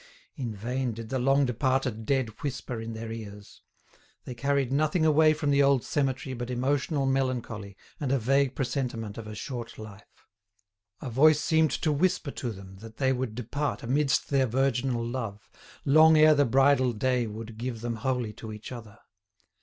In vain did the long departed dead whisper in their ears. They carried nothing away from the old cemetery but emotional melancholy and a vague presentiment of a short life. A voice seemed to whisper to them that they would depart amidst their virginal love, long ere the bridal day would give them wholly to each other.